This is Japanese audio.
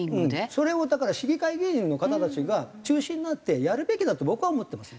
それをだから市議会議員の方たちが中心になってやるべきだと僕は思ってます。